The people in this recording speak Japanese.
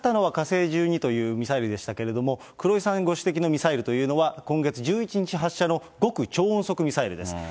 きのう発射されたのは火星１２というミサイルでしたけれども、黒井さんご指摘のミサイルというのは、今月１１日発射の極超音速ミサイルです。